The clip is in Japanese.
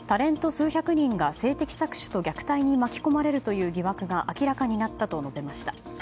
数百人が性的搾取と虐待に巻き込まれるという疑惑が明らかになったと述べました。